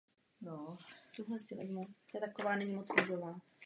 Nakolik jsou uprchlíci pro Radu prioritou?